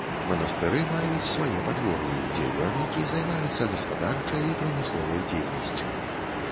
Манастыры маюць свае падвор'і, дзе вернікі займаюцца гаспадарчай і прамысловай дзейнасцю.